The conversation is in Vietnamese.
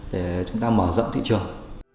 để chúng ta mở rộng thị trường